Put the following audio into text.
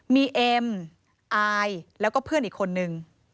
มีเอ็มอายแล้วก็เพื่อนอีกคนนึง